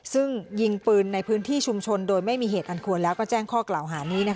ซึ่งยิงปืนในพื้นที่ชุมชนโดยไม่มีเหตุอันควรแล้วก็แจ้งข้อกล่าวหานี้